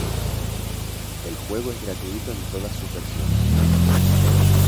El juego es gratuito en todas sus versiones.